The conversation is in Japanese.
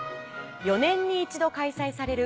４年に１度開催される